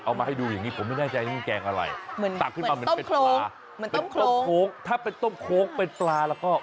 เอามาให้ดูอย่างนี้ผมไม่แน่ใจว่ามันแกงอะไรตักขึ้นมาเป็นปลาเหมือนต้มโค้งถ้าเป็นต้มโค้งเป็นปลาแล้วก็